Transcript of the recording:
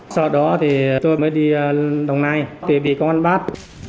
sau đó thì tôi mới đi đồng nai tuyệt bị có ăn bát